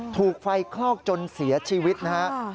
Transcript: ถูกไฟคลอกจนเสียชีวิตนะฮะ